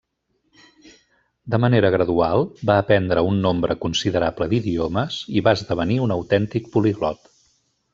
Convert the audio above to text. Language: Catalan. De manera gradual, va aprendre un nombre considerable d'idiomes i va esdevenir un autèntic poliglot.